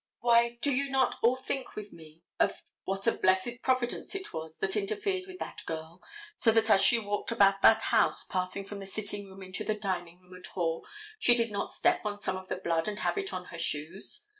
Why, do you not all think with me of what a blessed Providence it was that interfered with that girl, so that as she walked about that house, passing from the sitting room into the dining room and hall, she did not step on some of the blood and have it on her shoes?